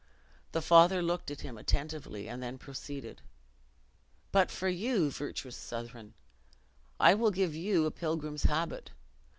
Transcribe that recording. The father looked at him attentively, and then proceeded: "But for you, virtuous Southron, I will give you a pilgrim's habit.